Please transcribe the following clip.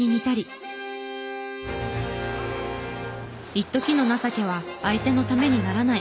いっときの情けは相手のためにならない。